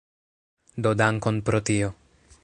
Do dankon pro tio